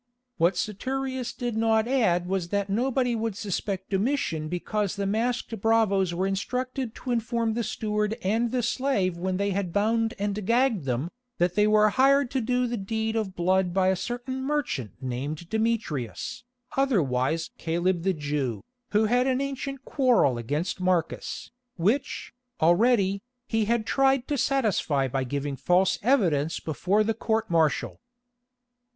What Saturius did not add was that nobody would suspect Domitian because the masked bravoes were instructed to inform the steward and the slave when they had bound and gagged them, that they were hired to do the deed of blood by a certain merchant named Demetrius, otherwise Caleb the Jew, who had an ancient quarrel against Marcus, which, already, he had tried to satisfy by giving false evidence before the court martial.